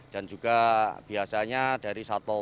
dan juga biasanya dari satpol